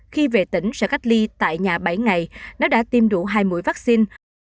khi về tỉnh sẽ cách ly tại nhà bảy ngày nó đã tiêm đủ hai mũi vaccine